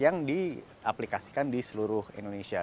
yang diaplikasikan di seluruh indonesia